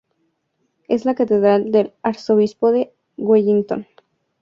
Es la catedral del arzobispo de Wellington.